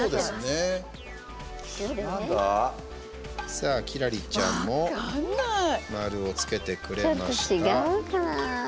さあ、輝星ちゃんも丸をつけてくれました。